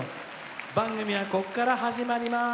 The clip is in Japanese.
番組は、こっから始まります。